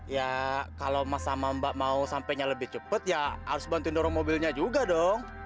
ya kalau mas sama mbak mau sampenya lebih cepat ya harus bantuin dorong mobilnya juga dong